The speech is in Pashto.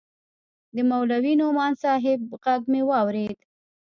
د مولوي نعماني صاحب ږغ مې واورېد.